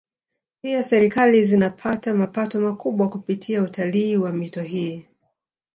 Pia Serikali zinapata mapato makubwa kupitia utalii wa mito hii